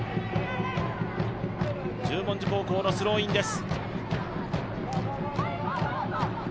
十文字高校のスローインです。